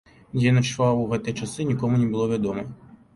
Дзе ён начаваў у гэтыя часы, нікому не было вядома.